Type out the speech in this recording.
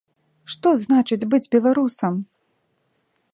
Што значыць быць беларусам?